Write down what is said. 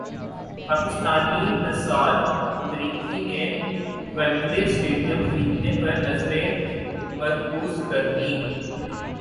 پاکستانی نژاد امریکی نے ویمبلے اسٹیڈیم خریدنے پر نظریں مرکوز کر لیں